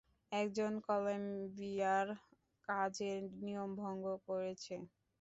একজন কলম্বিয়ার কাজের নিয়ম ভঙ্গ করেছে।